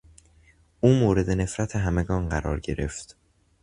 او مورد نفرت همگان قرار گرفت.